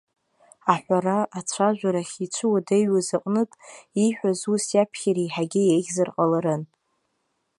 Аҳәара, ацәажәара ахьицәыуадаҩыз аҟынтә, ииҳәаз ус иаԥхьар еиҳагьы еиӷьзар ҟаларын.